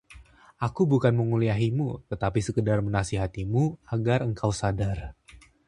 aku bukan menguliahimu, tetapi sekadar menasihatimu agar engkau sadar